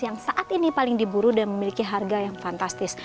dan saat ini paling diburu dan memiliki harga yang fantastis